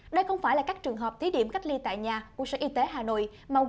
đây không phải là các trường hợp thí điểm cách ly tại nhà của sở y tế hà nội